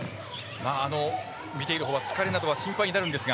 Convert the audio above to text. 見ているほうは疲れなどが心配になるんですが。